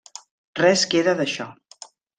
Res queda d’això.